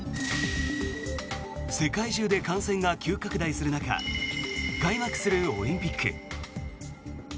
世界中で感染が急拡大する中開幕するオリンピック。